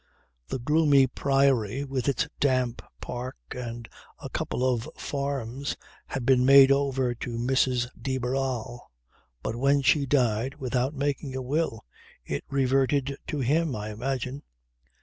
The gloomy Priory with its damp park and a couple of farms had been made over to Mrs. de Barral; but when she died (without making a will) it reverted to him, I imagine.